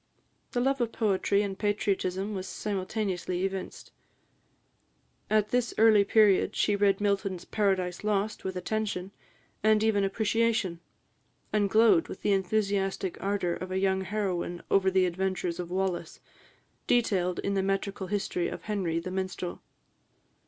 The love of poetry and patriotism was simultaneously evinced. At this early period, she read Milton's "Paradise Lost" with attention, and even appreciation; and glowed with the enthusiastic ardour of a young heroine over the adventures of Wallace, detailed in the metrical history of Henry, the Minstrel.